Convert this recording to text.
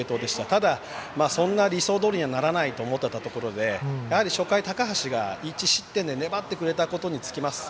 ただ、そんな理想どおりにはならないと思っていたところで初回、高橋が１失点で粘ってくれたことに尽きます。